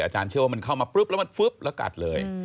อาจารย์เชื่อว่ามันเข้ามาปุ๊บแล้วมันฟึ๊บแล้วกัดเลย